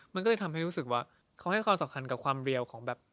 มันก็เลยทำให้รู้สึกว่าเขาให้ความสำคัญกับความเร็วของแบบ